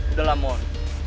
udah lah mon